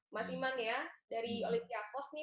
mas iman ya dari olympiakos nih